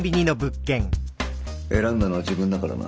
選んだのは自分だからな。